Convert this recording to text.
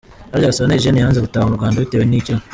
Harya Gasana Eugène yanze gutaha mu Rwanda bitewe n’iki raa?